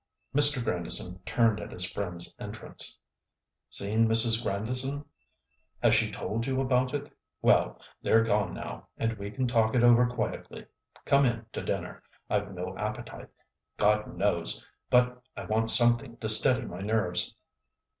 Mr. Grandison turned at his friend's entrance. "Seen Mrs. Grandison? Has she told you about it? Well, they're gone now, and we can talk it over quietly. Come in to dinner. I've no appetite, God knows! but I want something to steady my nerves."